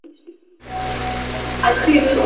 shirika la Umoja wa Mataifa la mpango wa mazingira